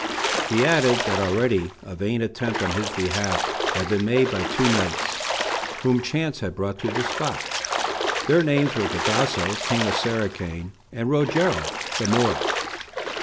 He added that already a vain attempt on his behalf had been made by two knights, whom chance had brought to the spot. Their names were Gradasso, king of Sericane, and Rogero, the Moor.